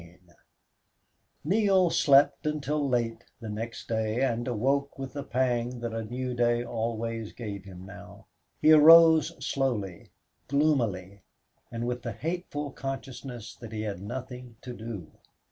16 Neale slept until late the next day and awoke with the pang that a new day always gave him now. He arose slowly, gloomily, with the hateful consciousness that he had nothing to do.